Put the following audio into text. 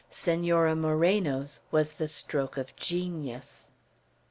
Senora Moreno's was the stroke of genius.